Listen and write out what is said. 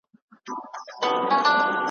چي نه شرنګ وي د پایلو نه پیالې ډکي له مُلو ,